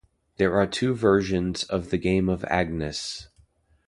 There are two versions of the game of Agnes.